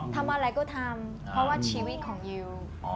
ทำอะไรก็ทำเพราะว่าชีวิตของยิว